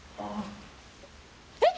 えっ？